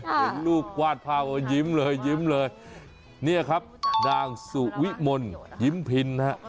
เห็นลูกกวาดพาวยิ้มเลยนี่ครับดางสุวิมลยิ้มพินฮะ